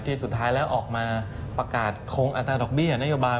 สุดท้ายแล้วออกมาประกาศคงอัตราดอกเบี้ยนโยบาย